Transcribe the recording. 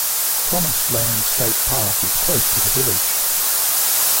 Promised Land State Park is close to the village.